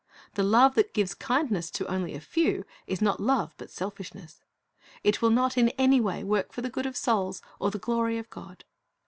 The love that gives kindness to only a few is not love, but selfishness. It will not in any way work for the good of souls or the glory of God.